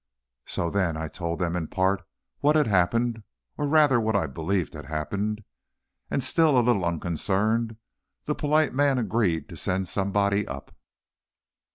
So, then, I told them, in part, what had happened, or, rather, what I believed had happened, and still a little unconcerned, the polite man agreed to send somebody up.